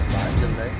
bảo em dừng đấy